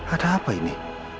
ada apa ini